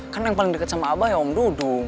kan yang paling deket sama abah ya om dudung